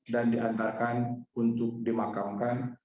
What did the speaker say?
dan diantarkan untuk dimakamkan